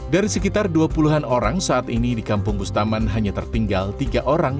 dari sekitar dua puluh an orang saat ini di kampung bustaman hanya tertinggal tiga orang